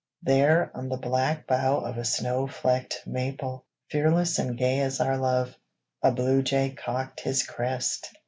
There, on the black bough of a snow flecked maple, Fearless and gay as our love, A bluejay cocked his crest!